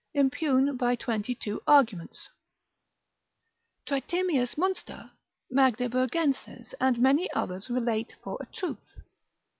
impugn by twenty two arguments, Tritemius, Munster, Magdeburgenses, and many others relate for a truth.